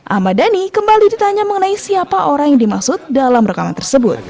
ahmad dhani kembali ditanya mengenai siapa orang yang dimaksud dalam rekaman tersebut